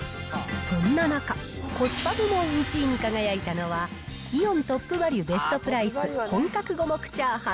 そんな中、コスパ部門１位に輝いたのは、イオントップバリュベストプライス本格五目炒飯。